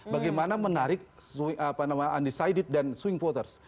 bagaimana menarik undecided dan swing voters